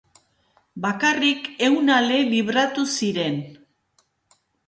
Bakarrik ehun ale libratu ziren.